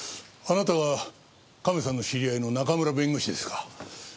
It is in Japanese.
あなたがカメさんの知り合いの中村弁護士ですか。